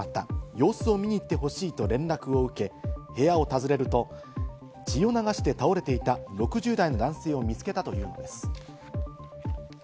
様子を見に行ってほしいと連絡を受け、部屋を訪ねると、血を流して倒れていた６０代の男性を見つけたというのです。